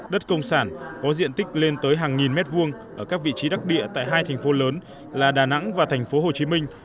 đất công sản có diện tích lên tới hàng nghìn mét vuông ở các vị trí đắc địa tại hai thành phố lớn là đà nẵng và thành phố hồ chí minh